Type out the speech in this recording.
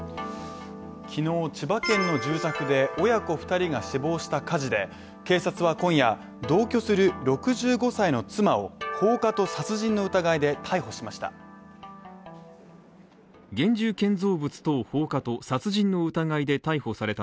昨日千葉県の住宅で親子２人が死亡した火事で、警察は今夜同居する６５歳の妻を放火と殺人の疑いで逮捕しました。